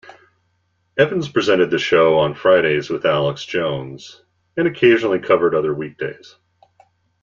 Evans presented the show on Fridays with Alex Jones, and occasionally covered other weekdays.